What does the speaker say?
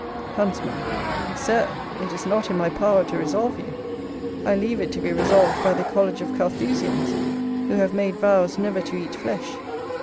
Huntsman. Sir, it is not in my power to resolve you; I leave it to be resolved by the college of Carthusians, who have made vows never to eat flesh.